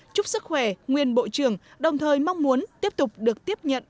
chúc sức khỏe nguyên bộ trưởng đồng thời mong muốn tiếp tục được tiếp nhận